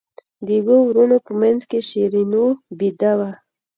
د اوو وروڼو په منځ کې شیرینو بېده وه.